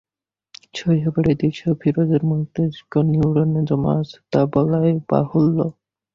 শৈশবের এই দৃশ্য ফিরোজের মস্তিষ্কের নিউরোনে জমা আছে, তা বলাই বাহুল্য।